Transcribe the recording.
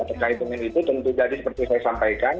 terkait dengan itu tentu tadi seperti saya sampaikan